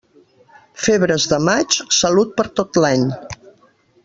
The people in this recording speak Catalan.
Febres de maig, salut per tot l'any.